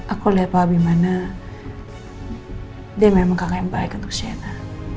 aku lihat pak bimana dia memang kakak yang baik untuk shina